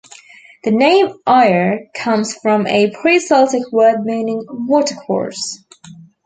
The name Ayr comes from a pre-Celtic word meaning "watercourse".